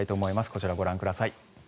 こちらご覧ください。